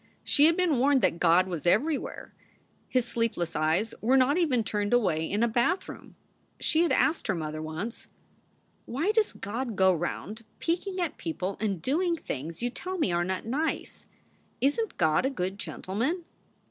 She had been warned that God was every where; His sleepless eyes were not even turned away in a bathroom. She had asked her mother once: "Why does God go round peeking at people and doing things you tell me are not nice ? Isn t God a good gentleman